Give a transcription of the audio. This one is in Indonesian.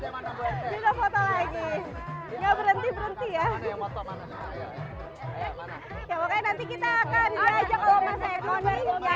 foto foto lagi ya berhenti berhenti ya